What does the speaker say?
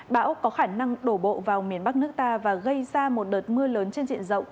bão có khả năng đổ bộ vào miền bắc nước ta và gây ra một đợt mưa lớn trên diện rộng